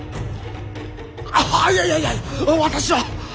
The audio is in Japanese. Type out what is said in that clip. いやいやいや私は。